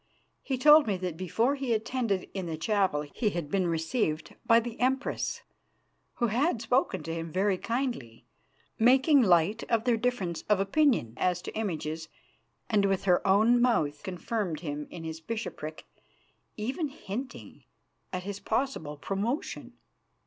He told me that before he attended in the chapel he had been received by the Empress, who had spoken to him very kindly, making light of their difference of opinion as to images and with her own mouth confirmed him in his bishopric, even hinting at his possible promotion.